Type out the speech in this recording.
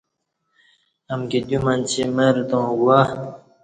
امکی دیو منچی مر تاوں گواہ